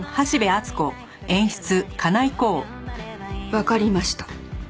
わかりました。